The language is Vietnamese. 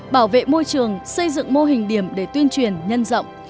bảo vệ môi trường xây dựng mô hình điểm để tuyên truyền nhân rộng